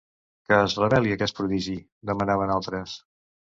Que es revel·li aquest prodigi!- demanaven altres.